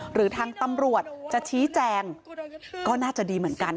หรือทางตำรวจจะชี้แจงก็น่าจะดีเหมือนกัน